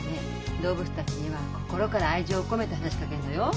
動物たちには心から愛情を込めて話しかけるのよ。